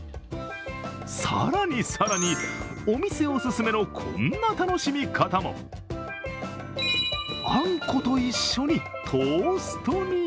更に更に、お店お勧めのこんな楽しみ方も。あんこと一緒にトーストに。